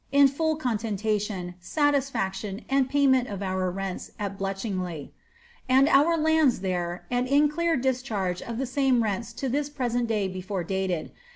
in full conteniation, latif* (action, and payment of our rents at Bletchingly, and our lands there, and ia clear discharge of the same rents to this present day before dated.